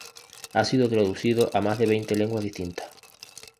Ha sido traducido a más de veinte lenguas distintas.